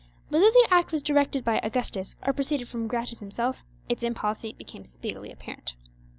Whether the act was directed by Augustus, or proceeded from Gratus himself, its impolicy became speedily apparent.